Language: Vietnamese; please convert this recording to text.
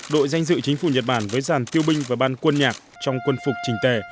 đội danh dự chính phủ nhật bản với giàn tiêu binh và ban quân nhạc trong quân phục trình tề